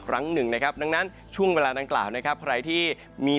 ครั้งหนึ่งนะครับดังนั้นช่วงเวลาดังกล่าวนะครับใครที่มี